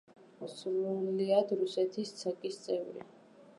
სრულიად რუსეთის ცაკის წევრი.